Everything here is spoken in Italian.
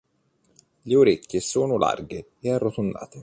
Le orecchie sono larghe e arrotondate.